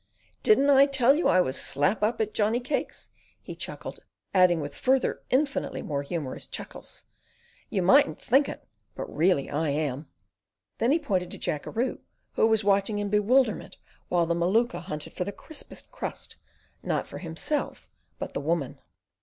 "Didn't I tell you I was slap up at Johnny cakes?" he chuckled, adding with further infinitely more humorous chuckles: "You mightn't think it; but I really am." Then he pointed to Jackeroo, who was watching in bewilderment while the Maluka hunted for the crispest crust, not for himself, but the woman.